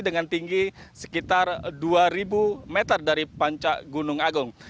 dengan tinggi sekitar dua ribu meter dari puncak gunung agung